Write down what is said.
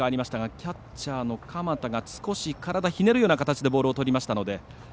キャッチャーの鎌田が少し体をひねるような形でボールをとりましたので。